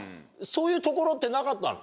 そういうところってなかったの？